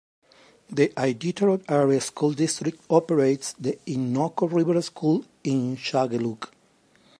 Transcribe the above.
The Iditarod Area School District operates the Innoko River School in Shageluk.